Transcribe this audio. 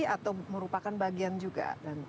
atau merupakan bagian juga